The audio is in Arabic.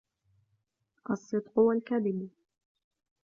الصِّدْقُ وَالْكَذِبُ